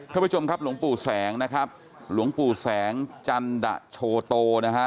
ท่านผู้ชมครับหลวงปู่แสงนะครับหลวงปู่แสงจันดะโชโตนะฮะ